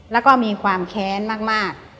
แล้วก็มีความแค้นมาก